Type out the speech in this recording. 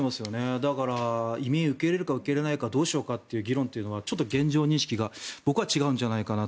だから、移民を受け入れるか受け入れないかどうしようかっていうのはちょっと現状認識が違うんじゃないかと。